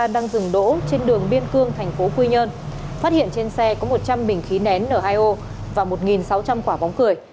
đang dừng đỗ trên đường biên cương tp quy nhơn phát hiện trên xe có một trăm linh bình khí nén n hai o